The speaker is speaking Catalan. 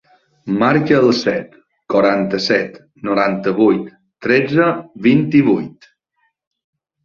Marca el set, quaranta-set, noranta-vuit, tretze, vint-i-vuit.